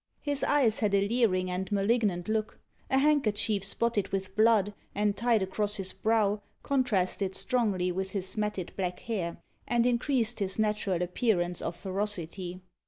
His eyes had a leering and malignant look. A handkerchief spotted with blood, and tied across his brow, contrasted strongly with his matted black hair, and increased his natural appearance of ferocity.